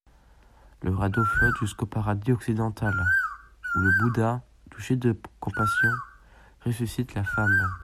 Le radeau flotte jusqu'au «paradis occidental», où le Bouddha, touché de compassion, ressuscite la femme.